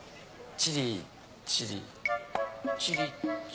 チリチリ。